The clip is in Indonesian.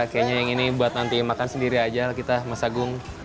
kayaknya yang ini buat nanti makan sendiri aja kita mas agung